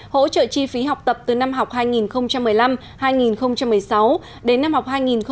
hỗ trợ chi phí học tập từ năm học hai nghìn một mươi năm hai nghìn một mươi sáu đến năm học hai nghìn hai mươi hai nghìn hai mươi